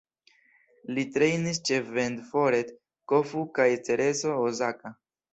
Li trejnis ĉe Ventforet Kofu kaj Cerezo Osaka.